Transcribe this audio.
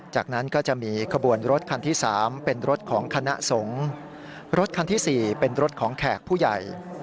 จากนั้นก็จะมีขบวนรถคันที่๓เป็นรถของคณะสงฆ์รถคันที่๔เป็นรถของแขกผู้ใหญ่